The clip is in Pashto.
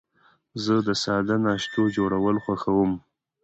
زه د ساده ناشتو جوړول خوښوم.